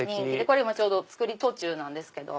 これ今ちょうど作り途中なんですけど。